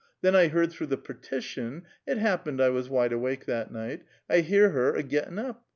Then 1 lieard through the partition (it happened I was wide awake that night) ; 1 hear her a gittin' up.